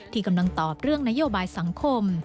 ที่กำลังตอบเรื่องนโยบายสังคม